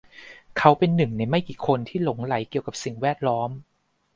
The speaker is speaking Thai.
เขาเป็นหนึ่งในไม่กี่คนที่หลงใหลเกี่ยวกับสิ่งแวดล้อม